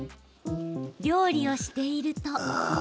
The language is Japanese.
料理をしていると。